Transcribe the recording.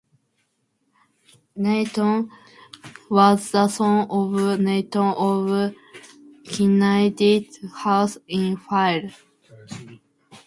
Ayton was the son of Ayton of Kinaldie House in Fife.